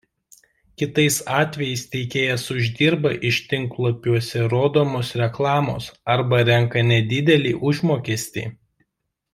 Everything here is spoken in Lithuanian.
Kitais atvejais teikėjas uždirba iš tinklalapiuose rodomos reklamos arba renka nedidelį užmokestį.